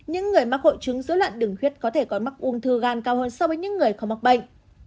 những người mắc hội chứng dưới lạn đường huyết có thể có mắc uống thư gan cao hơn so với những người không mắc bệnh